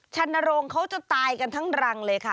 ชนโรงเขาจะตายกันทั้งรังเลยค่ะ